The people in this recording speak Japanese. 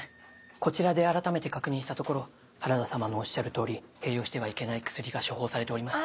こちらで改めて確認したところ原田様のおっしゃる通り併用してはいけない薬が処方されておりました。